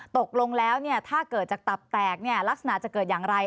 ตกลงแล้วถ้าเกิดจากตับแตกลักษณะจะเกิดอย่างไร